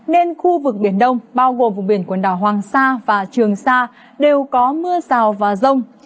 nên khu vực biển đông bao gồm vùng biển quần đảo hoàng sa và trường sa đều có mưa rào và rông